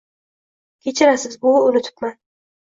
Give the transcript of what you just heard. - Kechirasiz, buvi, unutibman.